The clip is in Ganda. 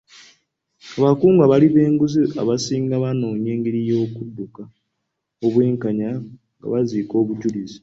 Abakungu abali b'enguzi abasinga banoonya engeri y'okudduka obwenkanya nga baziika obujulizi.